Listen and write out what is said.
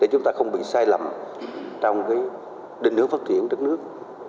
chúng ta không bị sai lầm trong định hướng phát triển đất nước